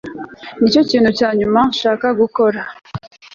nicyo kintu cya nyuma nshaka gukora